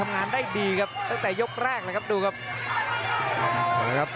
งานได้ดีครับตั้งแต่ยกแรกเลยครับดูครับ